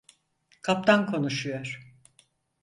Kaptan konuşuyor.